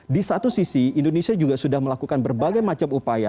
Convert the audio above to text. di satu sisi indonesia juga sudah melakukan berbagai macam upaya